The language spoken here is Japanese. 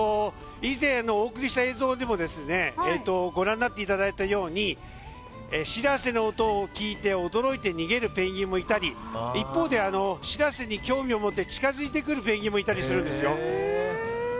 以前お送りした映像でもご覧になっていただいたようにしらせの音を聞いて驚いて逃げるペンギンもいたり一方で、しらせに興味を持って近づいてくるペンギンもいたりするんです。